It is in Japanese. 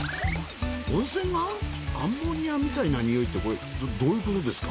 温泉がアンモニアみたいなニオイってどういうことですか？